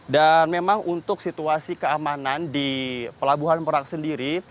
dan memang untuk situasi keamanan di pelabuhan merak sendiri